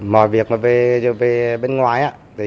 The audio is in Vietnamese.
mọi việc mà về bên ngoài